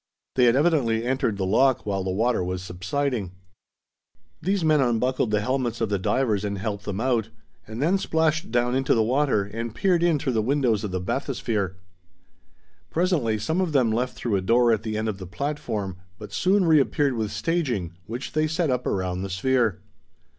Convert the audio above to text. They had evidently entered the lock while the water was subsiding. These men unbuckled the helmets of the divers and helped them out, and then splashed down into the water and peered in through the windows of the bathysphere. Presently some of them left through a door at the end of the platform, but soon reappeared with staging, which they set up around the sphere.